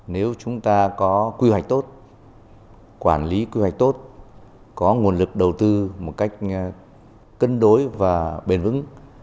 nếu chúng ta có quy hoạch tốt quản lý quy hoạch tốt có nguồn lực đầu tư một cách cân đối và bền vững